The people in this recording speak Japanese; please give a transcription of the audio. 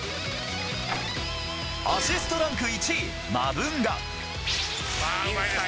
アシストランク１位、マブンガ。